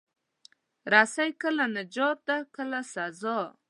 رسۍ کله نجات ده، کله سزا.